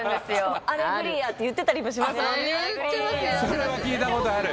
それは聴いたことある。